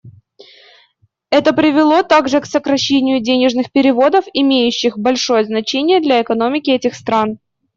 Это привело также к сокращению денежных переводов, имеющих большое значение для экономики этих стран.